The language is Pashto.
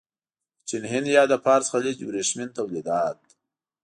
د چین، هند یا د فارس خلیج ورېښمین تولیدات.